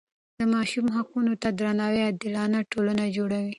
د ماشوم حقونو ته درناوی عادلانه ټولنه جوړوي.